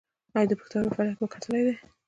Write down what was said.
ایا د پښتورګو فعالیت مو کتلی دی؟